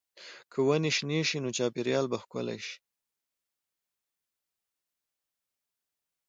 که ونې شنې شي، نو چاپېریال به ښکلی شي.